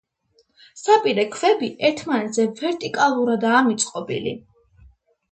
საპირე ქვები ერთმანეთზე ვერტიკალურადაა მიწყობილი.